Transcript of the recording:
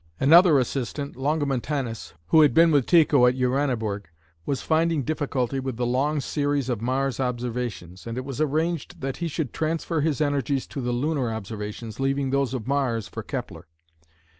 Another assistant, Longomontanus, who had been with Tycho at Uraniborg, was finding difficulty with the long series of Mars observations, and it was arranged that he should transfer his energies to the lunar observations, leaving those of Mars for Kepler.